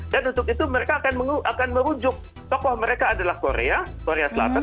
dan untuk itu mereka akan merujuk tokoh mereka adalah korea korea selatan